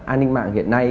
an ninh mạng hiện nay